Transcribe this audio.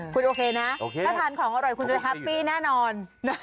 คุณโอเคนะถ้าทานของอร่อยคุณจะแฮปปี้แน่นอน